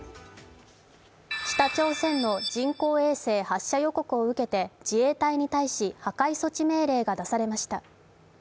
北朝鮮の人工衛星発射予告を受けて自衛隊に対し、破壊措置命令が出されました。